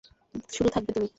শুধু থাকবে তুমি।